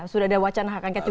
sudah ada wacana hak angket tiga